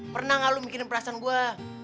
pernah gak lu mikirin perasaan gue